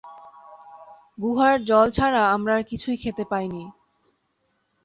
গুহার জল ছাড়া আমরা আর কিছুই খেতে পাইনি।